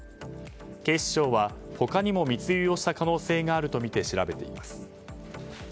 警視庁は、他にも密輸をした可能性があるとみて調べています。